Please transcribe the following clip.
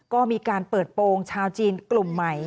ก็มีการเปิดโปรงชาวจีนกลุ่มใหม่